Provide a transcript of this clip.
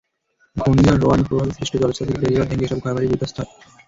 ঘূর্ণিঝড় রোয়ানুর প্রভাবে সৃষ্ট জলোচ্ছ্বাসে বেড়িবাঁধ ভেঙে এসব ঘরবাড়ি বিধ্বস্ত হয়।